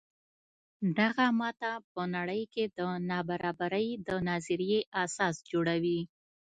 دغه ماته په نړۍ کې د نابرابرۍ د نظریې اساس جوړوي.